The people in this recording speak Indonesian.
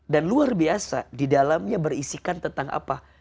dan luar biasa di dalamnya berisikan tentang apa